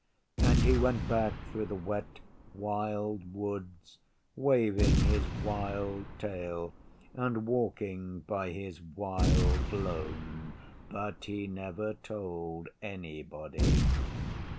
And he went back through the Wet Wild Woods waving his wild tail, and walking by his wild lone. But he never told anybody.